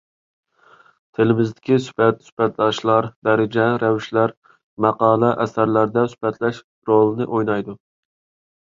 تىلىمىزدىكى سۈپەت، سۈپەتداشلار، دەرىجە رەۋىشلىرى ماقالە-ئەسەرلەردە سۈپەتلەش رولىنى ئوينايدۇ.